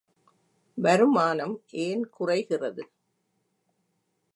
வருமானம் ஏன் குறைகிறது?